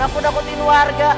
aku dapetin warga